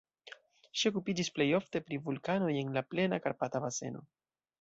Ŝi okupiĝis plej ofte pri vulkanoj en la plena Karpata baseno.